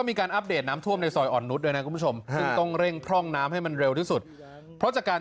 มายังเงินกับทองน่ะเหมือนเงินตัวทอง